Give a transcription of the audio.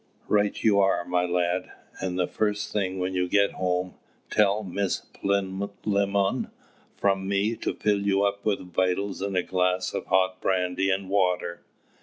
"Right you are, my lad; and the first thing when you get home, tell Miss Plinlimmon from me to fill you up with vittles and a glass of hot brandy and water.